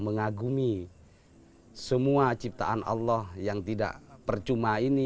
mengagumi semua ciptaan allah yang tidak percuma ini